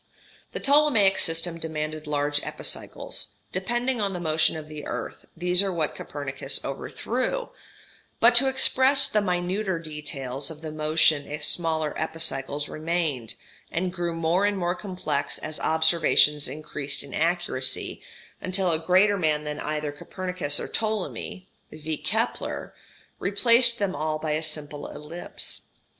The Ptolemaic system demanded large epicycles, depending on the motion of the earth, these are what Copernicus overthrew; but to express the minuter details of the motion smaller epicycles remained, and grew more and more complex as observations increased in accuracy, until a greater man than either Copernicus or Ptolemy, viz. Kepler, replaced them all by a simple ellipse.